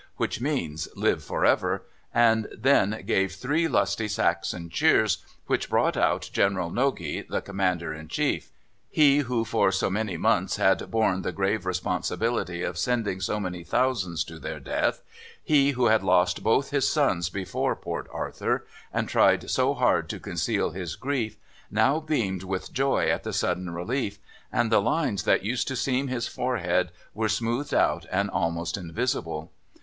which means "Live for ever!" and then gave three lusty Saxon cheers, which brought out General Nogi, the Commander in Chief. He who for so many months had borne the grave responsibility of sending so many thousands to their death, he who had lost both his sons before Port Arthur, and tried so hard to conceal his grief, now beamed with joy at the sudden relief, and the lines that used to seam his forehead were smoothed out and almost invisible.